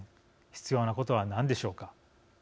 必要なことは何でしょうか。